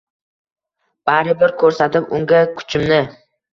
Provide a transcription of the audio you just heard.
Bari bir ko‘rsatib unga kuchimni